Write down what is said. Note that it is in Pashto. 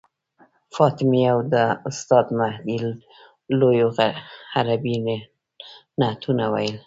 فاطمې او د استاد مهدي لوڼو عربي نعتونه ویل.